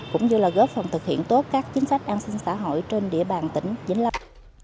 cũng như là góp phần thực hiện tốt các chính sách an sinh xã hội trên địa bàn tỉnh vĩnh lâm